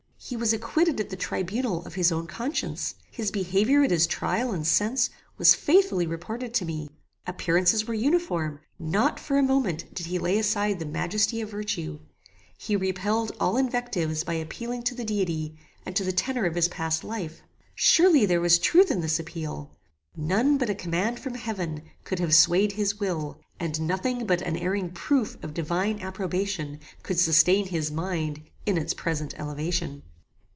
He was acquitted at the tribunal of his own conscience; his behaviour at his trial and since, was faithfully reported to me; appearances were uniform; not for a moment did he lay aside the majesty of virtue; he repelled all invectives by appealing to the deity, and to the tenor of his past life; surely there was truth in this appeal: none but a command from heaven could have swayed his will; and nothing but unerring proof of divine approbation could sustain his mind in its present elevation.